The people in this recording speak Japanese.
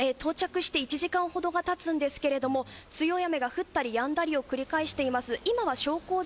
今、到着して１時間ほどがたつんですけれども強い雨が降ったりやんだりを繰り返しています。